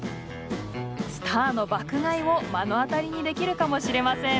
スターの爆買いを目の当たりにできるかもしれません。